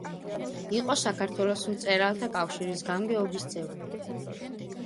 იყო საქართველოს მწერალთა კავშირის გამგეობის წევრი.